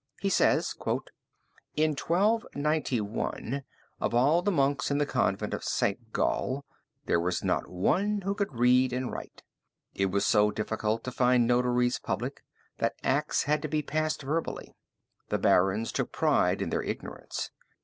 He says: "In 1291, of all the monks in the convent of St. Gall, there was not one who could read and write. It was so difficult to find notaries public, that acts had to be passed verbally. The barons took pride in their ignorance.